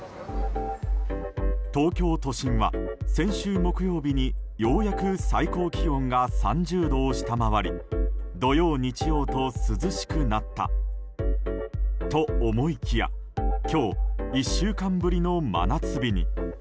東京都心は先週木曜日にようやく最高気温が３０度を下回り、土曜日曜と涼しくなったと思いきや今日、１週間ぶりの真夏日に。